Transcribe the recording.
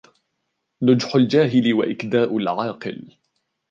نُجْحُ الْجَاهِلِ وَإِكْدَاءُ الْعَاقِلِ